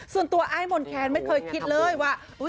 ส่วนตัวอ้ายมนแคนไม่เคยคิดเลยว่า